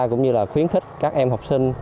cũng như là khuyến khích các em học sinh